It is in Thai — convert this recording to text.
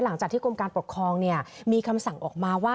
หลังจากที่กรมการปกครองมีคำสั่งออกมาว่า